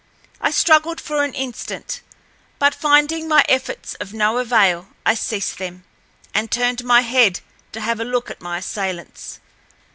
I struggled for an instant, but finding my efforts of no avail, I ceased them, and turned my head to have a look at my assailants.